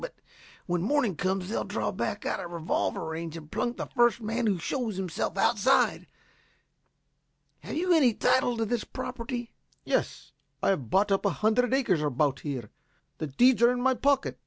But when morning comes they'll draw back out of revolver range and plunk the first man who shows himself outside. Have you any title to this property?" "Yes. I have bought up a hundred acres about here. The deeds are in my pocket.